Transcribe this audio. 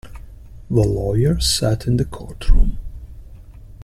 The lawyer sat in the courtroom.